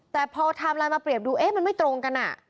แต่พอทามไลน์มาเปรียบดูมันไม่ตรงกัน